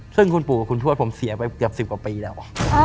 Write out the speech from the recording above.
ซึ่งคุณปู่กับคุณทวดผมเสียไปเกือบ๑๐กว่าปีแล้ว